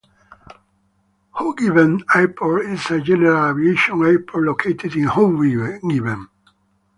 Hoogeveen Airport is a general aviation airport located in Hoogeveen.